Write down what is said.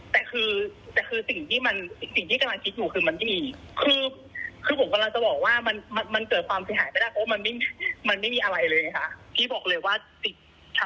เธอก็ว่าอย่างไรฟังค่ะ